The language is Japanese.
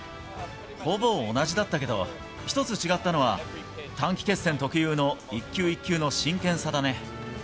ほぼ同じだったけど、一つ違ったのは、短期決戦特有の一球一球の真剣さだね。